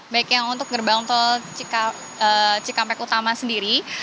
baik yang untuk gerbang tol cikampek utama sendiri